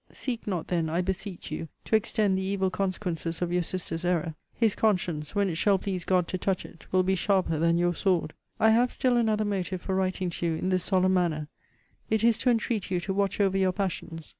Seek not then, I beseech you, to extend the evil consequences of your sister's error. His conscience, when it shall please God to touch it, will be sharper than your sword. I have still another motive for writing to you in this solemn manner: it is, to entreat you to watch over your passions.